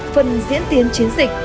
phần diễn tiến chiến dịch